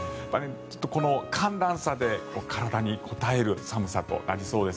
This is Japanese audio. この寒暖差で体にこたえる寒さとなりそうです。